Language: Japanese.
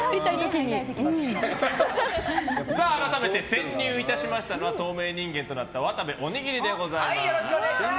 潜入いたしましたのは透明人間となった渡部おにぎりでございます。